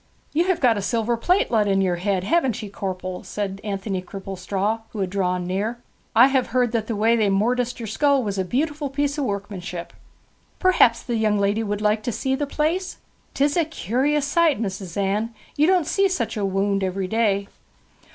'You have got a silver plate let into yer head, haven't ye, corpel?' said Anthony Cripplestraw, who had drawn near. 'I have heard that the way they morticed yer skull was a beautiful piece of workmanship. Perhaps the young woman would like to see the place? 'Tis a curious sight, Mis'ess Anne; you don't see such a wownd every day.'